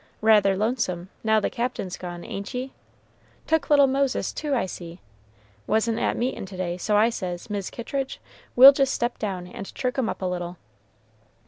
Rather lonesome, now the Captain's gone, ain't ye? Took little Moses, too, I see. Wasn't at meetin' to day, so I says, Mis' Kittridge, we'll just step down and chirk 'em up a little."